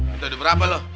minta duit berapa lu